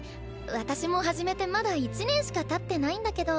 私も始めてまだ１年しかたってないんだけど。